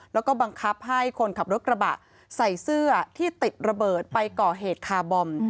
แล้วก็บังคับให้คนขับรถกระบะใส่เสื้อที่ติดระเบิดไปก่อเหตุคาร์บอม